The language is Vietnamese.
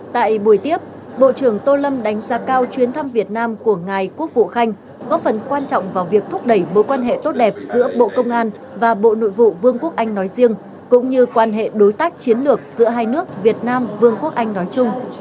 tại buổi tiếp bộ trưởng tô lâm đánh giá cao chuyến thăm việt nam của ngài quốc vụ khanh có phần quan trọng vào việc thúc đẩy mối quan hệ tốt đẹp giữa bộ công an và bộ nội vụ vương quốc anh nói riêng cũng như quan hệ đối tác chiến lược giữa hai nước việt nam vương quốc anh nói chung